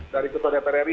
dari ketua dpr ri